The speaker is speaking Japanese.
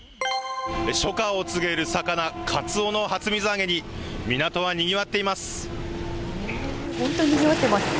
初夏を告げる魚、カツオの初水揚げに、本当、にぎわってますね。